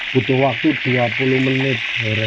butuh waktu dua puluh menit